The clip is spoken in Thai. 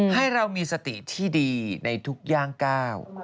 ให้เรามีสติที่ดีในทุกย่างก้าว